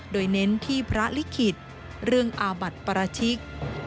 โดยเน้นที่พระลิขิตเรื่องอาบัติปราชิก